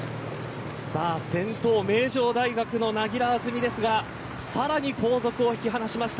先頭名城大学の柳樂あずみですがさらに後続を引き離しました。